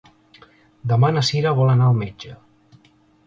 Demà na Cira vol anar al metge.